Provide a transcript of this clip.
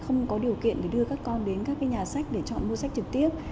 không có điều kiện để đưa các con đến các nhà sách để chọn mua sách trực tiếp